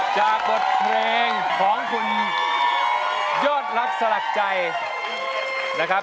จากบทเพลงของคุณยอดรักสลักใจนะครับ